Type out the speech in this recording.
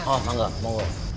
oh enggak mau